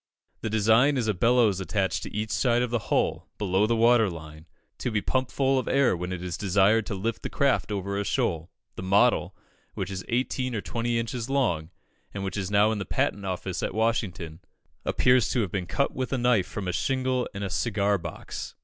The design is a bellows attached to each side of the hull, below the water line, to be pumped full of air when it is desired to lift the craft over a shoal. The model, which is eighteen or twenty inches long, and which is now in the Patent Office at Washington, appears to have been cut with a knife from a shingle and a cigar box.